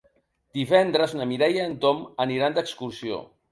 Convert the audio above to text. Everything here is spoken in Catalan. Divendres na Mireia i en Tom aniran d'excursió.